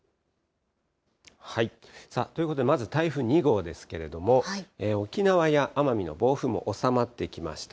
ということでまず台風２号ですけれども、沖縄や奄美の暴風も収まってきました。